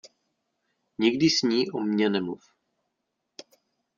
Nikdy s ní o mně nemluv.